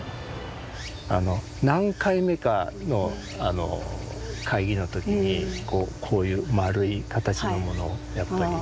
何回目かの会議の時にこういう丸い形のものをやっぱり。